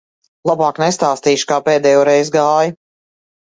Labāk nestāstīšu, kā pēdējoreiz gāja.